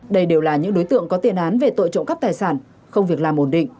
đây đều là những đối tượng có tiền án về tội trộm cắp tài sản không việc làm ổn định